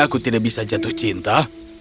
aku tidak bisa jatuh cinta